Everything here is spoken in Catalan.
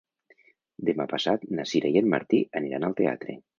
Demà passat na Sira i en Martí aniran al teatre.